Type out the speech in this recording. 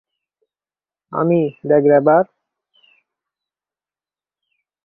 আমিই the grabber?